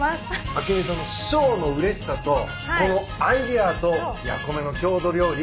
明美さんの賞のうれしさとこのアイデアとやこめの郷土料理。